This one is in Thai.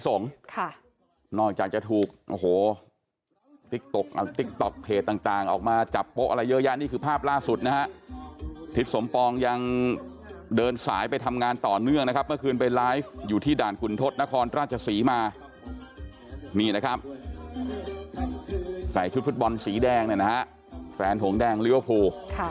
ใส่ชุดฟุตบอลสีแดงนะฮะแฟนห่วงแดงลิเวอร์ฟู